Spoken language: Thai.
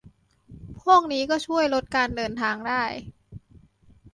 พวกนี้ก็ช่วยลดการเดินทางได้